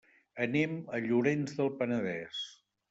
Anem a Llorenç del Penedès.